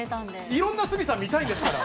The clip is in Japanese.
いろんな鷲見さん見たいんですから。